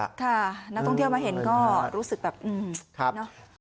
ค่ะนักท่องเที่ยวมาเห็นก็รู้สึกแบบเนอะ